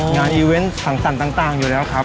งานอีเวนต์สังสรรค์ต่างอยู่แล้วครับ